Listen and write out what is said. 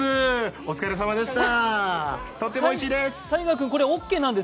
お疲れさまでした。